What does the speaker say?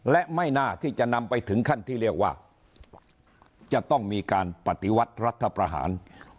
และไม่น่าที่จะนำไปถึงขั้นที่เรียกว่าจะต้องมีการปฏิวัติรัฐประหาร